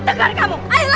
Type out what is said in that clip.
suatu orang biasa